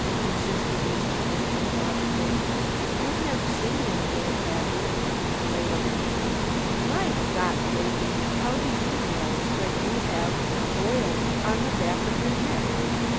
_" insisted Mr. Latham doggedly. "You've never seen them made, have you?" "Mein Gott, Laadham, how do you know when you haf der boil on der pack of your neck?